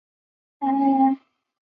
还得照顾孩子